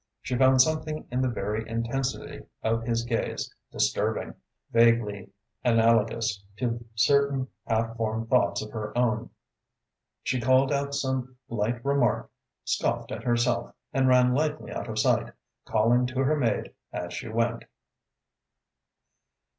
She found something in the very intensity of his gaze disturbing, vaguely analogous to certain half formed thoughts of her own. She called out some light remark, scoffed at herself, and ran lightly out of sight, calling to her maid as she went.